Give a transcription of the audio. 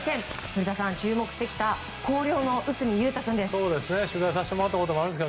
古田さん、注目してきた内海優太君です。